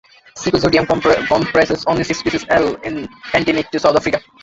"Schizodium" comprises only six species, all endemic to South Africa.